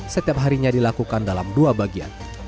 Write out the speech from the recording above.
setiap harinya dilakukan dalam dua bagian